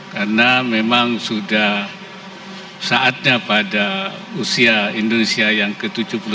karena memang sudah saatnya pada usia indonesia yang ke tujuh puluh delapan